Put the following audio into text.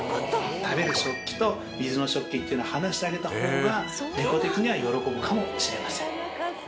食べる食器と水の食器っていうのは離してあげた方が猫的には喜ぶかもしれません。